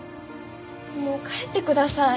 もう帰ってください。